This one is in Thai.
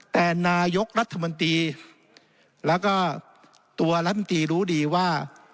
แต่นายกรัฐมนตรีแล้วก็ตัวรัฐมนตรีรู้ดีว่า